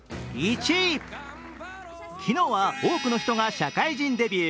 昨日は多くの人が社会人デビュー。